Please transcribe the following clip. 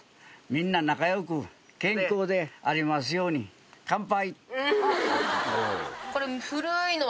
「皆仲良く健康でありますように乾杯」。